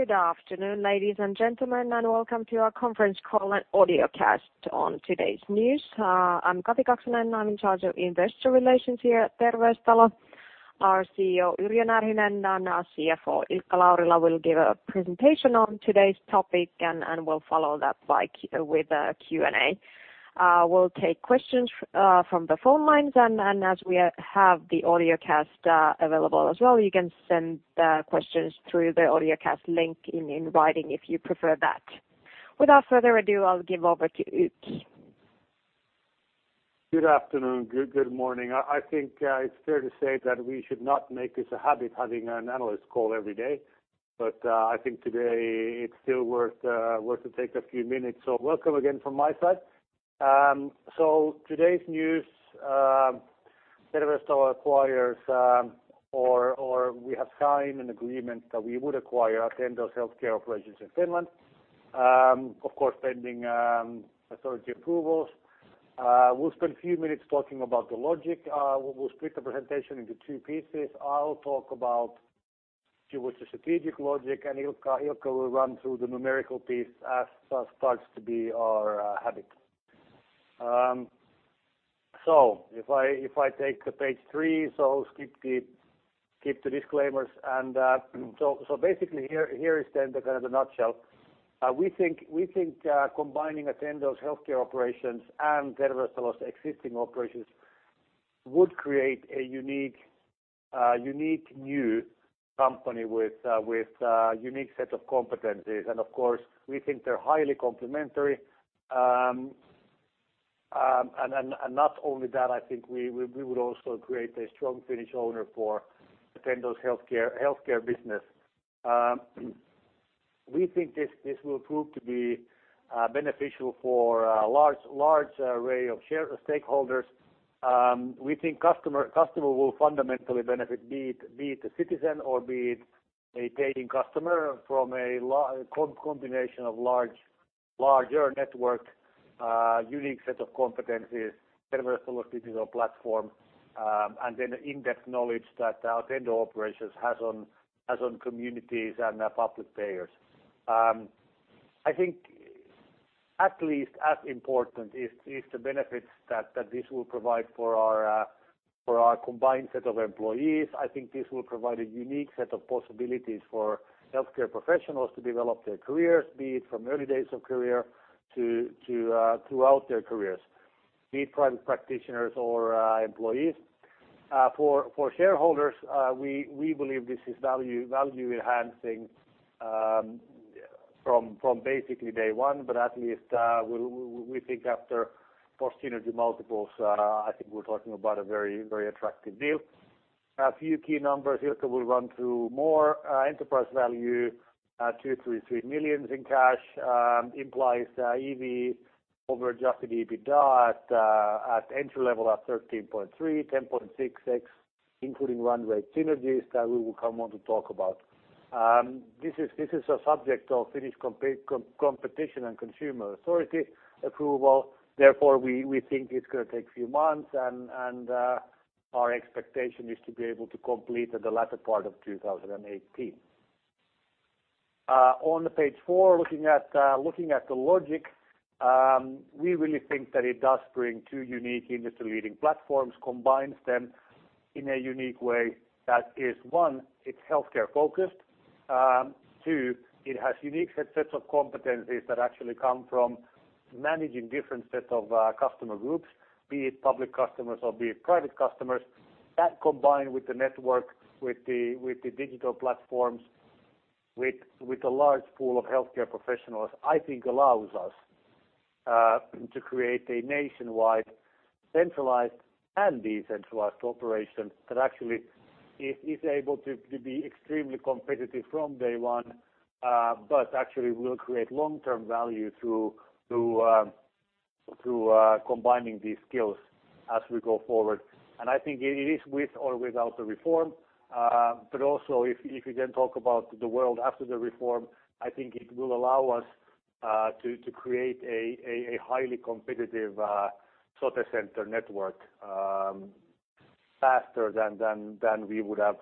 Good afternoon, ladies and gentlemen, welcome to our conference call and audiocast on today's news. I'm Kati Kaksonen. I'm in charge of investor relations here at Terveystalo. Our CEO, Yrjö Närhinen, and our CFO, Ilkka Laurila, will give a presentation on today's topic. We'll follow that with a Q&A. We'll take questions from the phone lines as we have the audiocast available as well. You can send the questions through the audiocast link in writing if you prefer that. Without further ado, I'll give over to Uki. Good afternoon. Good morning. I think it's fair to say that we should not make this a habit, having an analyst call every day. I think today it's still worth to take a few minutes. Welcome again from my side. Today's news, Terveystalo acquires or we have signed an agreement that we would acquire Attendo's healthcare operations in Finland. Of course, pending authority approvals. We'll spend a few minutes talking about the logic. We'll split the presentation into two pieces. I'll talk about what's the strategic logic. Ilkka will run through the numerical piece as starts to be our habit. If I take page three, skip the disclaimers, basically here is then the kind of the nutshell. We think combining Attendo's healthcare operations and Terveystalo's existing operations would create a unique new company with a unique set of competencies. Of course, we think they're highly complementary. Not only that, I think we would also create a strong Finnish owner for Attendo's healthcare business. We think this will prove to be beneficial for a large array of stakeholders. We think customer will fundamentally benefit, be it a citizen or be it a paying customer, from a combination of larger network, unique set of competencies, Terveystalo's digital platform, and then in-depth knowledge that Attendo operations has on communities and public payers. I think at least as important is the benefits that this will provide for our combined set of employees. I think this will provide a unique set of possibilities for healthcare professionals to develop their careers, be it from early days of career to throughout their careers, be it private practitioners or employees. For shareholders, we believe this is value-enhancing from basically day one. At least we think after post-synergy multiples, I think we're talking about a very attractive deal. A few key numbers Ilkka will run through more. Enterprise value 233 million in cash, implies EV over adjusted EBITA at entry-level of 13.3x, 10.66x, including run rate synergies that we will come on to talk about. This is a subject of Finnish Competition and Consumer Authority approval. We think it's going to take a few months. Our expectation is to be able to complete at the latter part of 2018. On page four, looking at the logic, we really think that it does bring two unique industry-leading platforms, combines them in a unique way that is one, it's healthcare-focused. Two, it has unique sets of competencies that actually come from managing different sets of customer groups, be it public customers or be it private customers. That combined with the network, with the digital platforms, with a large pool of healthcare professionals, I think allows us to create a nationwide centralized and decentralized operation that actually is able to be extremely competitive from day one but actually will create long-term value through combining these skills as we go forward. I think it is with or without the reform. If you then talk about the world after the reform, I think it will allow us to create a highly competitive sote center network faster than we would have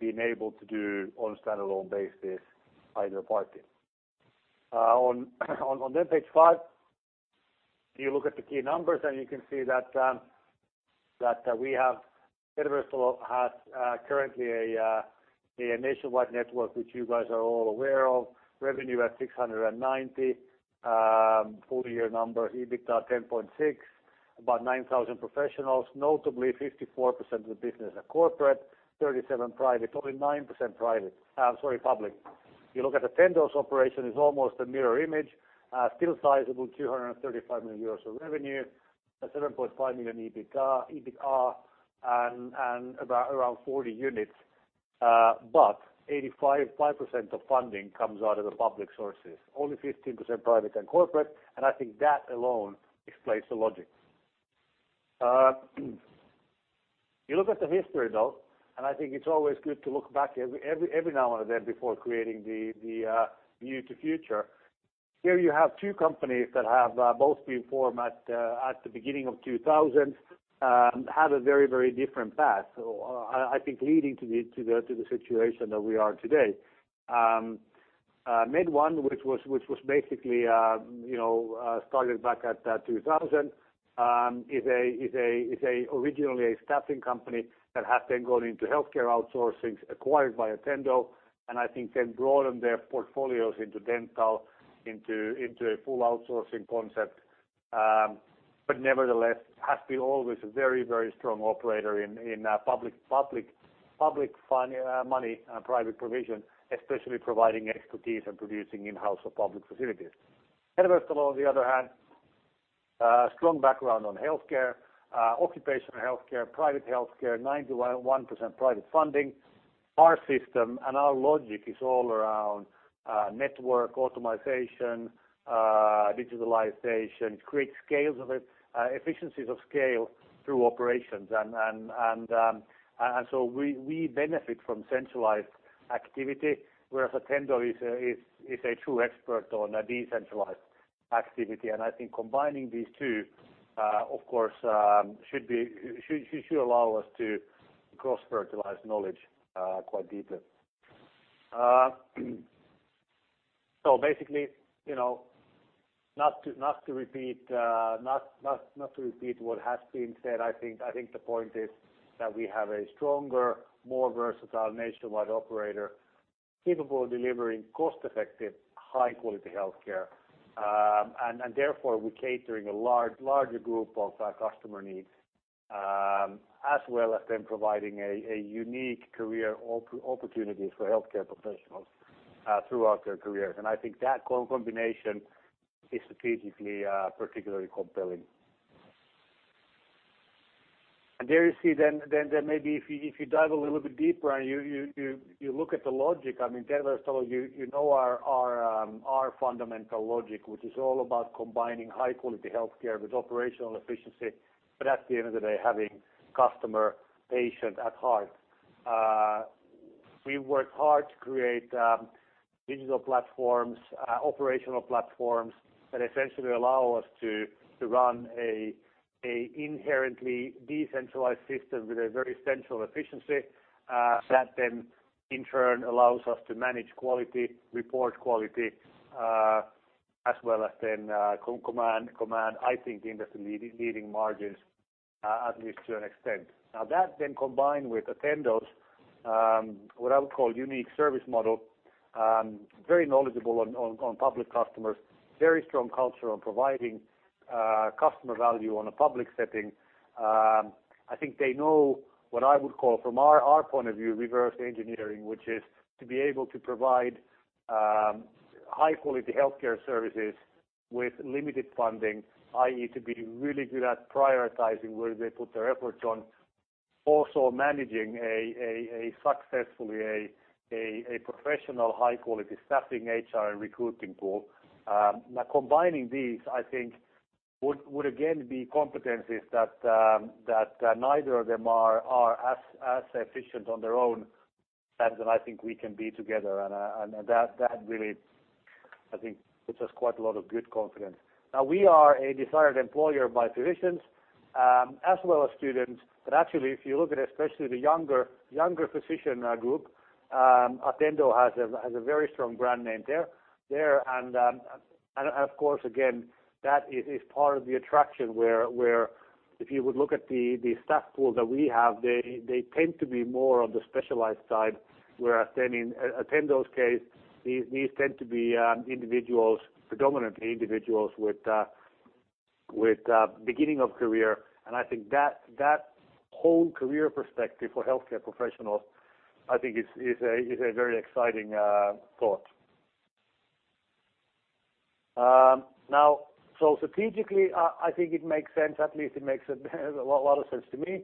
been able to do on a standalone basis, either party. On page five, you look at the key numbers and you can see that Terveystalo has currently a nationwide network, which you guys are all aware of. Revenue at 690 million full year numbers, EBITA 10.6 million, about 9,000 professionals. Notably, 54% of the business are corporate, 37% private, only 9% public. You look at Attendo's operation, it's almost a mirror image. Still sizable, 235 million euros of revenue, a 7.5 million EBITA, and around 40 units. 85% of funding comes out of the public sources, only 15% private and corporate. I think that alone explains the logic. You look at the history, though, I think it's always good to look back every now and then before creating the view to future. Here you have two companies that have both been formed at the beginning of 2000, had a very different path, I think leading to the situation that we are today. MedOne, which was basically started back at 2000, is originally a staffing company that has then gone into healthcare outsourcing, acquired by Attendo, and I think then broadened their portfolios into dental, into a full outsourcing concept. Nevertheless, has been always a very strong operator in public money and private provision, especially providing expertise and producing in-house for public facilities. Terveystalo, on the other hand, strong background on healthcare, occupational healthcare, private healthcare, 91% private funding. Our system and our logic is all around network optimization, digitalization, create efficiencies of scale through operations. We benefit from centralized activity, whereas Attendo is a true expert on decentralized activity. I think combining these two, of course, should allow us to cross-fertilize knowledge quite deeply. Basically, not to repeat what has been said, I think the point is that we have a stronger, more versatile nationwide operator capable of delivering cost-effective, high-quality healthcare. Therefore, we're catering a larger group of customer needs, as well as then providing a unique career opportunity for healthcare professionals throughout their careers. I think that combination is strategically particularly compelling. There you see then maybe if you dive a little bit deeper and you look at the logic, Terveystalo, you know our fundamental logic, which is all about combining high-quality healthcare with operational efficiency, but at the end of the day, having customer patient at heart. We work hard to create digital platforms, operational platforms that essentially allow us to run an inherently decentralized system with a very central efficiency that then, in turn, allows us to manage quality, report quality, as well as then command, I think, industry-leading margins at least to an extent. That then combined with Attendo's, what I would call unique service model, very knowledgeable on public customers, very strong culture on providing customer value on a public setting. I think they know what I would call, from our point of view, reverse engineering, which is to be able to provide high-quality healthcare services with limited funding, i.e., to be really good at prioritizing where they put their efforts on. Also managing successfully a professional high-quality staffing HR and recruiting pool. Combining these, I think would again be competencies that neither of them are as efficient on their own as I think we can be together. That really, I think, gives us quite a lot of good confidence. We are a desired employer by physicians as well as students. Actually, if you look at especially the younger physician group, Attendo has a very strong brand name there. Of course, again, that is part of the attraction where if you would look at the staff pool that we have, they tend to be more on the specialized side. Whereas then in Attendo's case, these tend to be predominantly individuals with beginning of career. I think that whole career perspective for healthcare professionals, I think, is a very exciting thought. Strategically, I think it makes sense. At least it makes a lot of sense to me.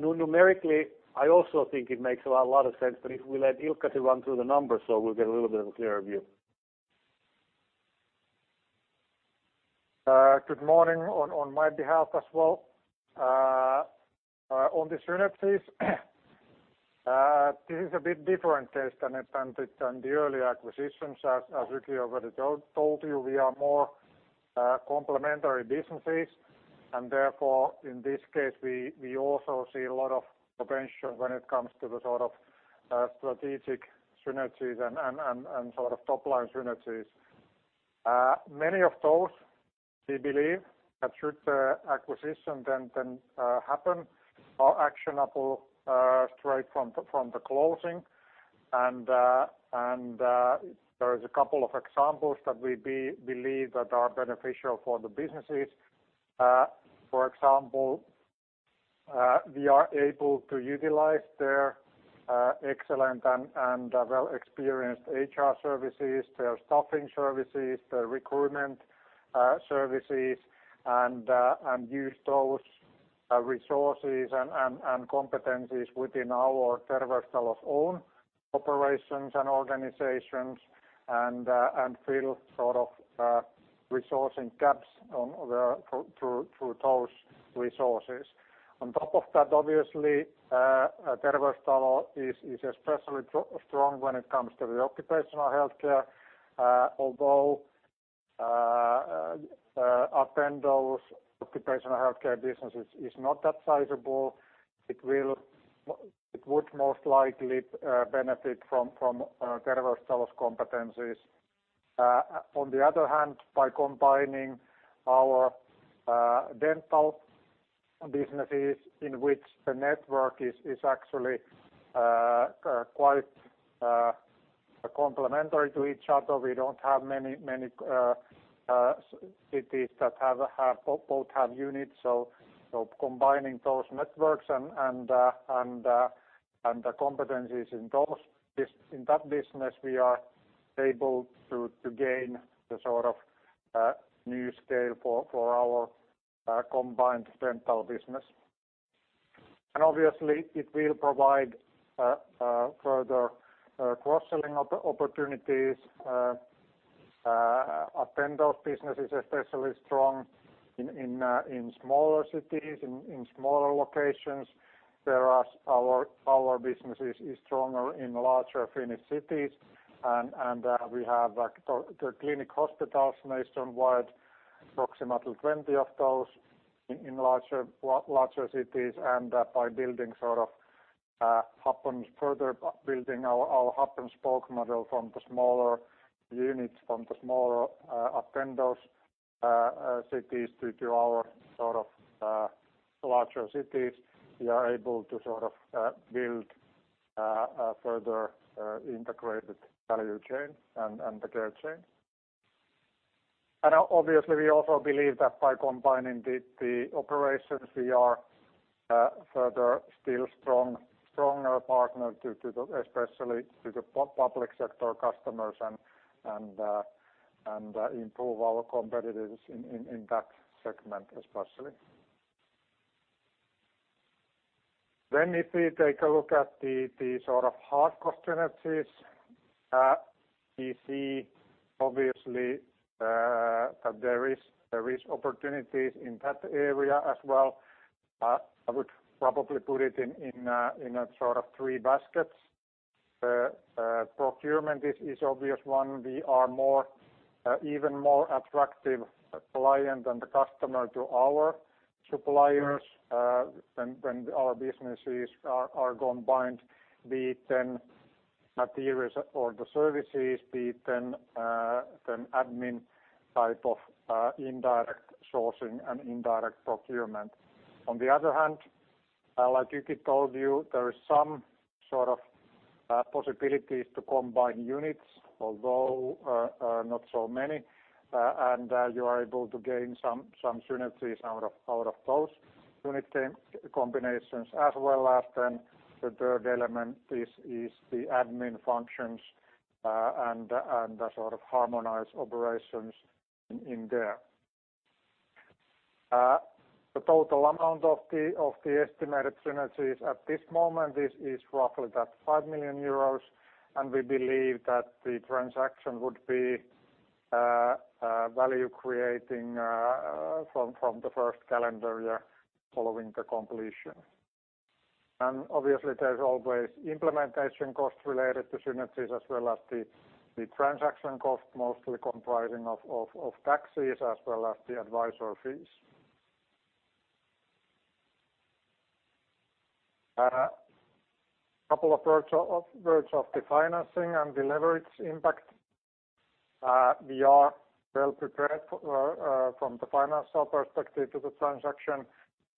Numerically, I also think it makes a lot of sense, if we let Ilkka to run through the numbers we'll get a little bit of a clearer view. Good morning on my behalf as well. On the synergies, this is a bit different case than the early acquisitions. As Yrjö already told you, we are more complementary businesses, therefore, in this case, we also see a lot of potential when it comes to the sort of strategic synergies and sort of top-line synergies. Many of those we believe that through the acquisition then happen are actionable straight from the closing, there is a couple of examples that we believe that are beneficial for the businesses. For example, we are able to utilize their excellent and well-experienced HR services, their staffing services, their recruitment services, and use those resources and competencies within our Terveystalo's own operations and organizations and feel sort of Resourcing gaps on through those resources. On top of that, obviously, Terveystalo is especially strong when it comes to the occupational healthcare. Although Attendo's occupational healthcare business is not that sizable, it would most likely benefit from Terveystalo's competencies. On the other hand, by combining our dental businesses, in which the network is actually quite complementary to each other, we don't have many cities that both have units. Combining those networks and the competencies in that business, we are able to gain the sort of new scale for our combined dental business. Obviously, it will provide further cross-selling opportunities. Attendo's business is especially strong in smaller cities, in smaller locations, whereas our business is stronger in larger Finnish cities. We have the clinic hospitals nationwide, approximately 20 of those in larger cities. By further building our hub-and-spoke model from the smaller units, from the smaller Attendo's cities into our larger cities, we are able to build a further integrated value chain and the care chain. Obviously, we also believe that by combining the operations, we are further still stronger partner especially to the public sector customers and improve our competitiveness in that segment, especially. If we take a look at the sort of hard cost synergies, we see obviously that there is opportunities in that area as well. I would probably put it in sort of three baskets. Procurement is obvious one. We are even more attractive client and the customer to our suppliers when our businesses are combined, be it then materials or the services, be it then admin type of indirect sourcing and indirect procurement. On the other hand, like Jussi told you, there is some sort of possibilities to combine units, although not so many, you are able to gain some synergies out of those unit combinations, as well as then the third element is the admin functions and the sort of harmonized operations in there. The total amount of the estimated synergies at this moment is roughly that 5 million euros. We believe that the transaction would be value-creating from the first calendar year following the completion. Obviously, there's always implementation costs related to synergies as well as the transaction cost, mostly comprising of taxes as well as the advisor fees. A couple of words of the financing and the leverage impact. We are well prepared from the financial perspective to the transaction.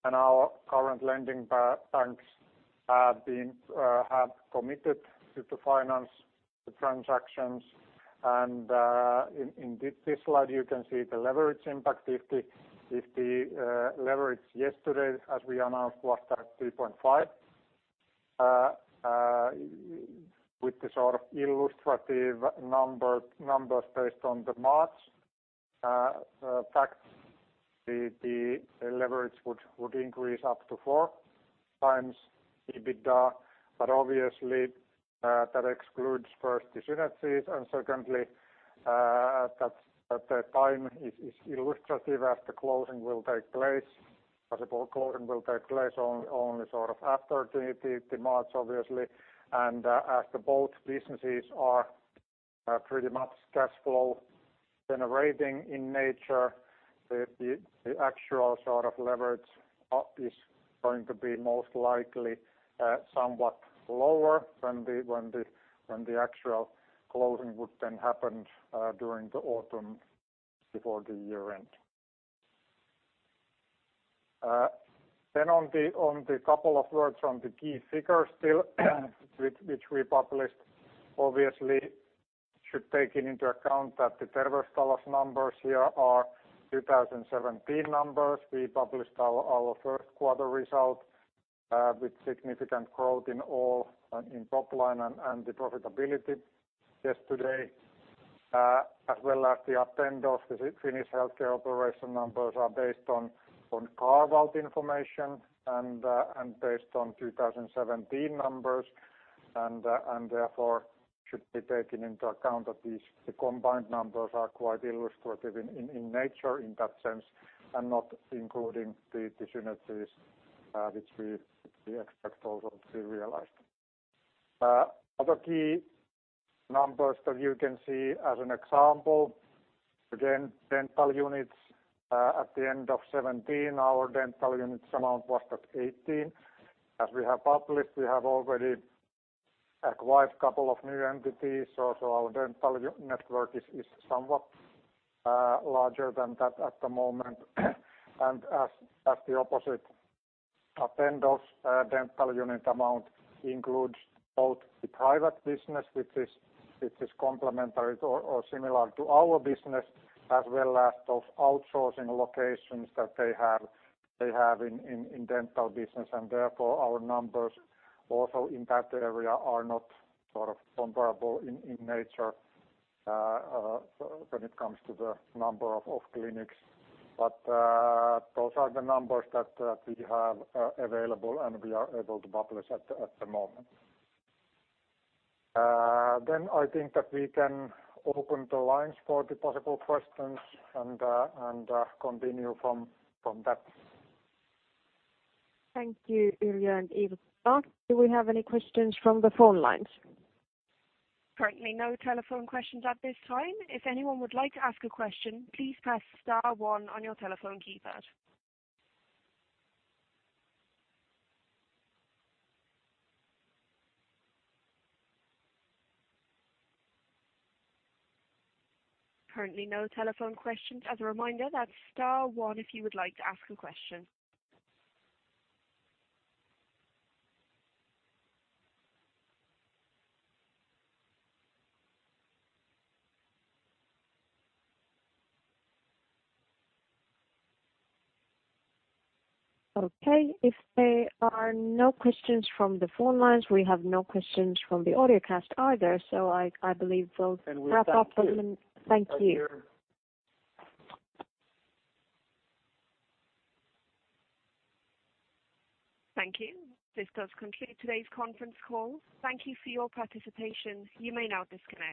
Our current lending banks have committed to finance the transactions. In this slide, you can see the leverage impact. If the leverage yesterday as we announced was at 3.5 with the sort of illustrative numbers based on the March, in fact the leverage would increase up to four times EBITDA. Obviously, that excludes, first, the synergies and secondly, that the time is illustrative as the closing will take place only sort of after the March, obviously. As both businesses are pretty much cash flow generating in nature, the actual sort of leverage is going to be most likely somewhat lower when the actual closing would then happen during the autumn before the year end. On the couple of words on the key figures still, which we published obviously should take into account that the Terveystalo's numbers here are 2017 numbers. We published our first quarter results with significant growth in all in top line and the profitability yesterday, as well as Attendo's Finnish healthcare operation numbers are based on Carwalt information and based on 2017 numbers. Therefore should be taken into account that the combined numbers are quite illustrative in nature in that sense, and not including the synergies which we expect also to be realized. Other key numbers that you can see as an example, again, dental units at the end of 2017, our dental units amount was at 18. As we have published, we have already acquired couple of new entities, so our dental network is somewhat larger than that at the moment. As the opposite, Attendo's dental unit amount includes both the private business, which is complementary or similar to our business, as well as those outsourcing locations that they have in dental business, and therefore our numbers also in that area are not comparable in nature when it comes to the number of clinics. Those are the numbers that we have available and we are able to publish at the moment. I think that we can open the lines for the possible questions and continue from that. Thank you, Yrjö and Ilkka. Do we have any questions from the phone lines? Currently no telephone questions at this time. If anyone would like to ask a question, please press star one on your telephone keypad. Currently no telephone questions. A reminder, that's star one if you would like to ask a question. Okay. If there are no questions from the phone lines, we have no questions from the audio cast either. I believe we'll wrap up and thank you. With that too, I hear. Thank you. This does conclude today's conference call. Thank you for your participation. You may now disconnect.